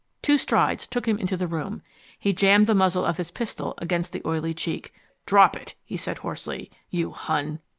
Two strides took him into the room. He jammed the muzzle of his pistol against the oily cheek. "Drop it!" he said hoarsely. "You Hun!"